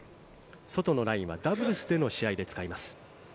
外のラインはダブルスでの試合で使います。